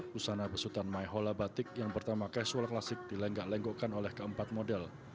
busana pesutan my hola batik yang pertama casual klasik dilenggak lenggokkan oleh keempat model